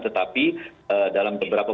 tetapi dalam beberapa